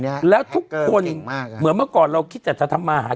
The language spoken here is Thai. น่ะแล้วทุกคนเมื่อเมื่อก่อนเราคิดจัดธรรมมาเขา